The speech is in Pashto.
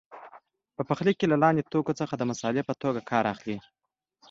په پخلي کې له لاندې توکو څخه د مسالې په توګه کار اخلي.